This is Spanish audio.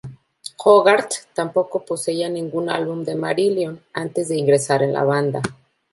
Hogarth tampoco poseía ningún álbum de Marillion antes de ingresar en la banda.